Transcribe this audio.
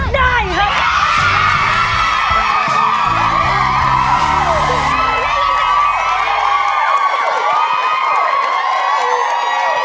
ได้ครับ